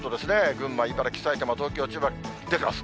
群馬、茨城、埼玉、東京、千葉に出てます。